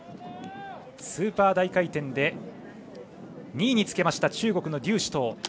スーパー大回転で２位につけました中国の劉思とう。